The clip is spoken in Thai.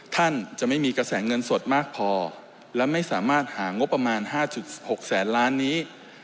ท่านจะไม่มีกระแสเงินสดมากพอและไม่สามารถหางบประมาณ๕๖แสนล้านนี้